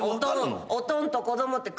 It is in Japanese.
おとんと子供って。